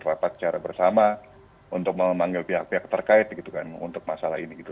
rapat secara bersama untuk memanggil pihak pihak terkait gitu kan untuk masalah ini gitu